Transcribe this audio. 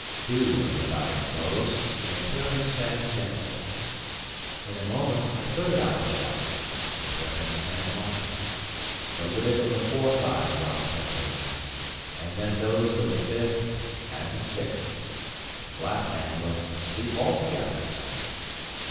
Two of his eyes closed, and Peronnik sang gently. In a moment a third eye shut, and Peronnik sang on. The lid of a fourth eye dropped heavily, and then those of the fifth and the sixth. The black man was asleep altogether.